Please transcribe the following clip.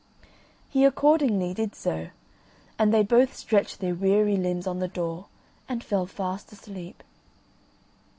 He accordingly did so, and they both stretched their weary limbs on the door, and fell fast asleep.